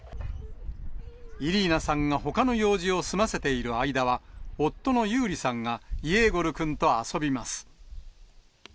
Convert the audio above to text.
イリーナさんがほかの用事を済ませている間は、夫のユーリさんが、イェーゴルくんと遊びます。